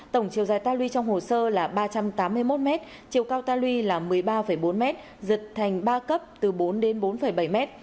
tổng chiều dài ta luy trong hồ sơ là ba trăm tám mươi một m chiều cao ta luy là một mươi ba bốn m giật thành ba cấp từ bốn đến bốn bảy m